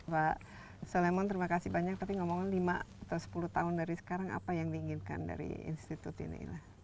pak solemon terima kasih banyak tapi ngomongin lima atau sepuluh tahun dari sekarang apa yang diinginkan dari institut ini